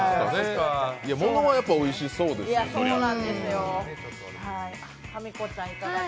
ものはやっぱりおいしそうですよ、そりゃ。